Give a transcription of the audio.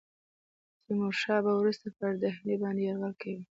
تیمور شاه به وروسته پر ډهلي باندي یرغل کوي.